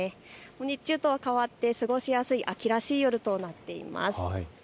日中とかわって過ごしやすい秋らしい夜となっています。